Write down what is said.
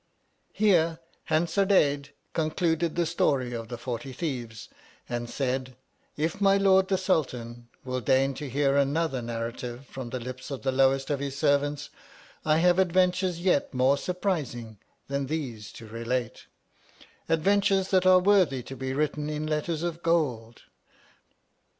Here, Hansardadade concluded the story of the Forty Thieves, and said, If my Lord the Sultan will deign to hear another narrative from the lips of the lowest of his servants, I have adventures yet more surprising than these to relate : adventures that are worthy to be written in letters of gold.